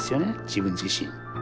自分自身に。